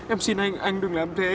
em xin anh anh đừng làm thế